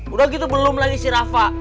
udah gitu belum lagi si rafa